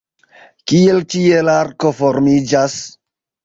Kiel ĉielarko formiĝas?